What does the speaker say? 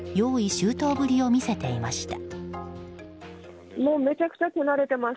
周到ぶりを見せていました。